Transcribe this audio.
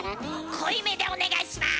濃いめでお願いします！